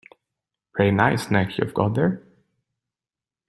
Pretty nice neck you've got there.